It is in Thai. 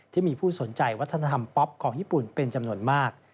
ที่มีผู้สนใจวัฒนธรรมป๊อปของญี่ปุ่นเป็นจำนวนมาก